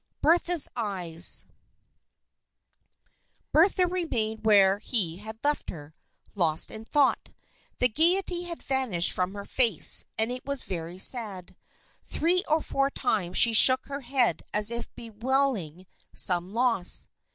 Bertha's Eyes Bertha remained where he had left her, lost in thought. The gayety had vanished from her face, and it was very sad. Three or four times she shook her head as if bewailing some loss.